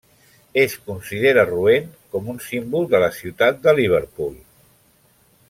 Es considera roent com un símbol de la ciutat de Liverpool.